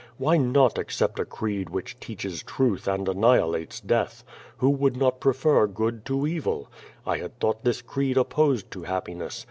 Why ( not accept a creed which teaches truth and annihilates death? I Who would not prefer good to evil? I had thought this creed opposed to happiness.